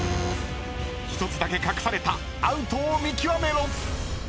［１つだけ隠されたアウトを見極めろ］